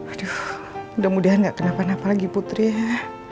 aduh mudah mudahan gak kenapa napa lagi putri ya